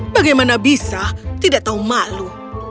bagaimana bisa tidak tahu malu